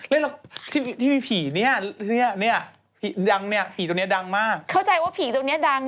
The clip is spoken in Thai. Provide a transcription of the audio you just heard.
เล่นละครที่มีผีนี่ผีดังนี่ผีตรงนี้ดังมากเข้าใจว่าผีตรงนี้ดัง